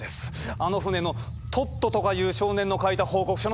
あの船のトットとかいう少年の書いた報告書のようです。